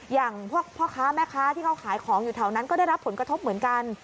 อย่างพวกพ่อค้าแม่ค้าที่เขาขายของอยู่แถวนั้นก็ได้รับผลกระทบเหมือนกัน